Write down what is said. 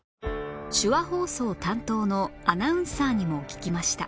手話放送担当のアナウンサーにも聞きました